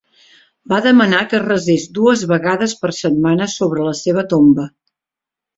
Va demanar que es resés dues vegades per setmana sobre la seva tomba.